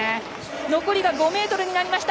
残りが５ｍになりました。